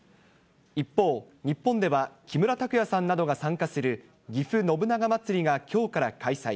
一方、日本では、木村拓哉さんなどが参加するぎふ信長まつりがきょうから開催。